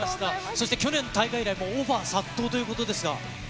そして、去年、大会以来、オファー殺到ということですが。